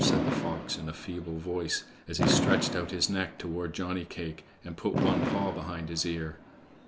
said the fox in a feeble voice, as he stretched out his neck toward Johnny cake, and put one paw behind his ear.